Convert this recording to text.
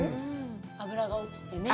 脂が落ちてね。